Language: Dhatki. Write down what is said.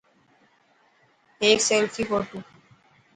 هيڪ فيصلي ڦوٽو.